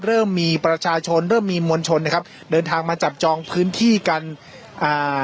เริ่มมีประชาชนเริ่มมีมวลชนนะครับเดินทางมาจับจองพื้นที่กันอ่า